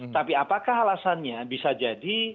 tapi apakah alasannya bisa jadi